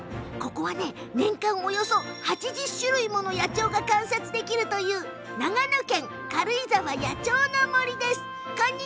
ここは年間およそ８０種類もの野鳥が観察できるという長野県、軽井沢野鳥の森。